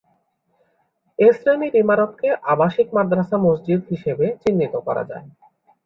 এ শ্রেণির ইমারতকে ‘আবাসিক মাদ্রাসা মসজিদ’ হিসেবে চিহ্নিত করা যায়।